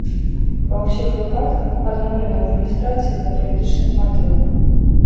Ва ўсіх выпадках адмоўлена ў рэгістрацыі па палітычных матывах.